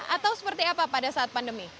atau seperti apa pada saat pandemi